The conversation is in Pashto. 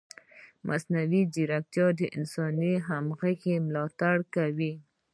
مصنوعي ځیرکتیا د انساني همغږۍ ملاتړ کوي.